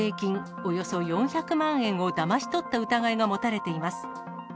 およそ４００万円をだまし取った疑いが持たれています。